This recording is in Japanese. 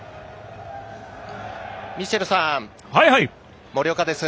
ミシェルさん、森岡です。